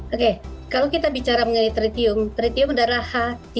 oke kalau kita bicara mengenai tritium tritium adalah h tiga